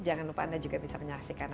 jangan lupa anda juga bisa menyaksikan